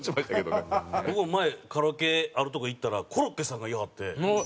僕も前カラオケあるとこへ行ったらコロッケさんがいはって。